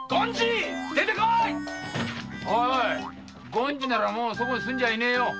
・権次ならもうそこには住んでいねえよ。